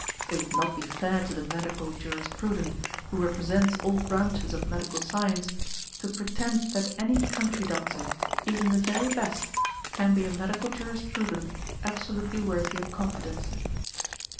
It would not be fair to the medical jurisprudent, who represents all branches of medical science, to pretend that any country | doctor, even the very best, can be a medical jurisprudent i —= worthy of confidence.